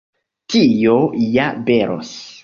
Tio ja belos!